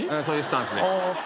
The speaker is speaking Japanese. そういうスタンスで。